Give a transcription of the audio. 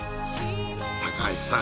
高橋さん